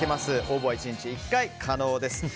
応募は１日１回可能です。